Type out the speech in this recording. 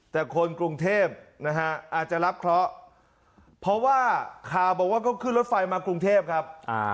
แต่คนกรุงเทพนะฮะอาจจะรับเคราะห์เพราะว่าข่าวบอกว่าเขาขึ้นรถไฟมากรุงเทพครับ